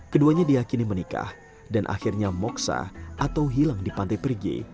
keduanya diakini menikah dan akhirnya moksa atau hilang di pantai perigi